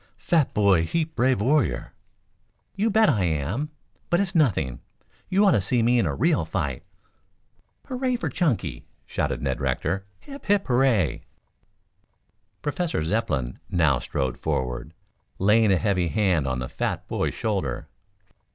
"Fat boy heap brave warrior." "You bet I am. But it's nothing. You ought to see me in a real fight." "Hurrah for Chunky!" shouted Ned Rector. "Hip, hip, hurrah!" Professor Zepplin now strode forward, laying a heavy hand on the fat boy's shoulder.